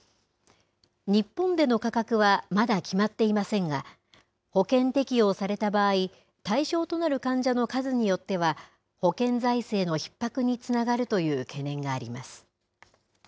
日本での価格はまだ決まっていませんが、保険適用された場合、対象となる患者の数によっては、保険財政のひっ迫につながるという懸念があります。